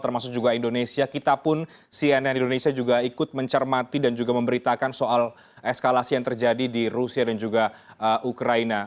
termasuk juga indonesia kita pun cnn indonesia juga ikut mencermati dan juga memberitakan soal eskalasi yang terjadi di rusia dan juga ukraina